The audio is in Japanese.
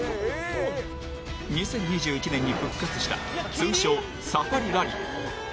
２０２１年に復活した通称・サファリラリー。